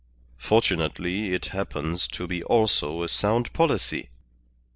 Fortunately it happens to be also a sound policy.